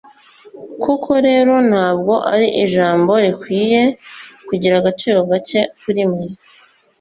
koko rero nta bwo ari ijambo rikwiye kugira agaciro gake kuri mwe;